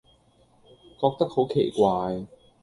覺得好奇怪